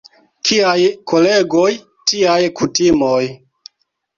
Kiaj kolegoj, tiaj kutimoj.